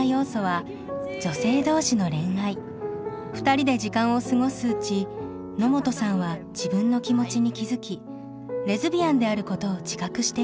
２人で時間を過ごすうち野本さんは自分の気持ちに気付きレズビアンであることを自覚していきます。